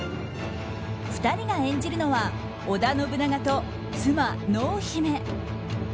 ２人が演じるのは織田信長と妻・濃姫。